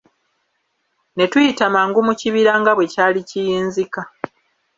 Ne tuyita mangu mu kibira nga bwe kyali kiyinzika.